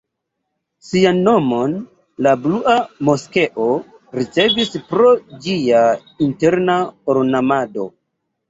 Sian nomon la Blua moskeo ricevis pro ĝia interna ornamado.